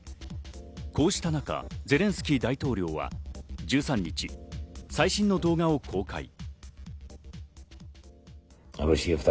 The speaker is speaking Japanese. こうした中、ゼレンスキー大統領は１３日、最新の動画を公開。